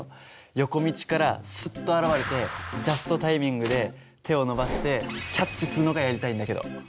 横道からすっと現れてジャストタイミングで手を伸ばしてキャッチするのがやりたいんだけど。